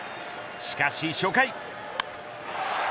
しかし初回。